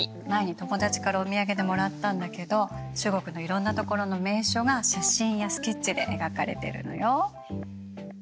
前に友達からお土産でもらったんだけど中国のいろんな所の名所が写真やスケッチで描かれてるのよ。